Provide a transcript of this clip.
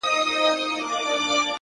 لوړ همت اوږده لارې لنډوي,